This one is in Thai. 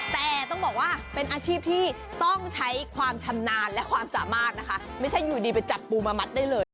แต่ต้องบอกว่าเป็นอาชีพที่ต้องใช้ความชำนาญและความสามารถนะคะไม่ใช่อยู่ดีไปจับปูมามัดได้เลย